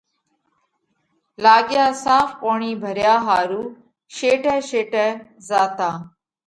لاڳيا صاف پوڻِي ڀريا ۿارُو شيٽي شيتي زاتا۔